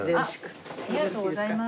ありがとうございます。